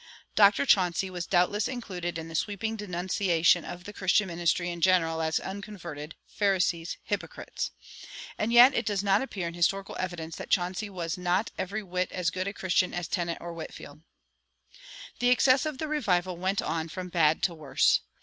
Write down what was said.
Dr. Chauncy was doubtless included in the sweeping denunciation of the Christian ministry in general as "unconverted," "Pharisees," "hypocrites." And yet it does not appear in historical evidence that Chauncy was not every whit as good a Christian as Tennent or Whitefield. The excesses of the revival went on from bad to worse.